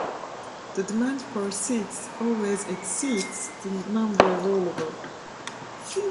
The demand for seats always exceeds the number available.